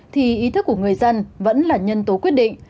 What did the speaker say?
thì ý thức của người dân vẫn là nhân tố quyết định